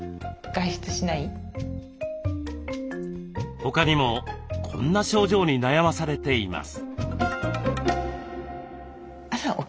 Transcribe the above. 他にもこんな症状に悩まされています。